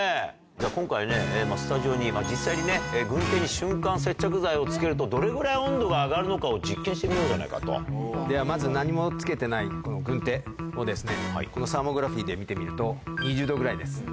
今回ね、スタジオに、実際に軍手に瞬間接着剤をつけると、どれぐらい温度が上がるのかではまず、何もつけていない軍手を、このサーモグラフィーで見てみると、２０度ぐらいです。